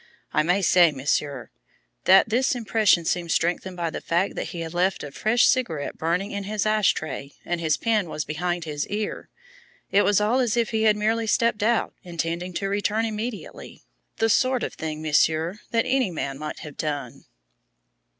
I may say, Monsieur, that this impression seemed strengthened by the fact that he left a fresh cigarette burning in his ash tray, and his pen was behind his ear. It was all as if he had merely stepped out, intending to return immediately the sort of thing, Monsieur, that any man might have done.